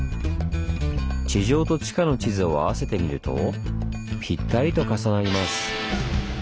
地上と地下の地図を合わせてみるとピッタリと重なります。